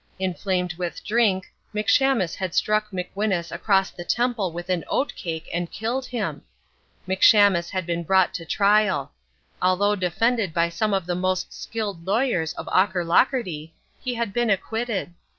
Inflamed with drink, McShamus had struck McWhinus across the temple with an oatcake and killed him. McShamus had been brought to trial. Although defended by some of the most skilled lawyers of Aucherlocherty, he had been acquitted.